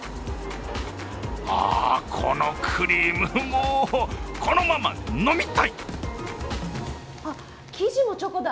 あ、このクリーム、もう、このまま飲みたい！